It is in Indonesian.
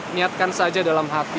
niatkan saja dalam hati